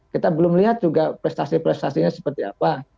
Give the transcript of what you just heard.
kita belum lihat juga prestasi prestasinya seperti apa